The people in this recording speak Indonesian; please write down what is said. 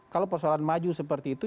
kalau persoalan maju seperti itu